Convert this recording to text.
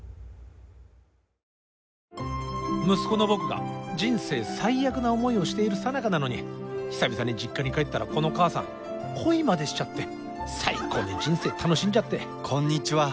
息子の僕が人生最悪な思いをしているさなかなのに久々に実家に帰ったらこの母さん恋までしちゃって最高に人生楽しんじゃって。